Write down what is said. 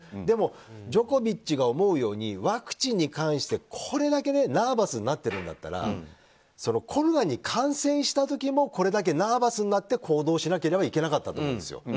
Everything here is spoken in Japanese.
でも、ジョコビッチが思うようにワクチンに関してこれだけナーバスになっているんだったらコロナに感染した時もこれだけナーバスになって行動しなければいけなかったと思うんですよ。